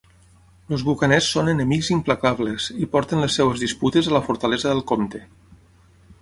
Els bucaners són enemics implacables i porten les seves disputes a la fortalesa del Compte.